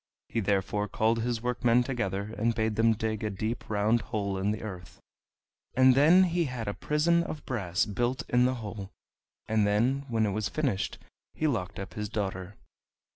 He therefore called his workmen together, and bade them dig a deep round hole in the earth, and then he had a prison of brass built in the hole, and then, when it was finished, he locked up his daughter.